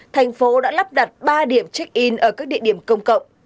thành phố đã lắp đặt ba điểm check in ở các địa điểm công cộng